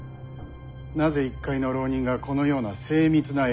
なぜ一介の浪人がこのような精密な絵地図を。